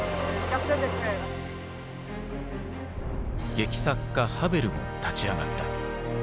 劇作家ハヴェルも立ち上がった。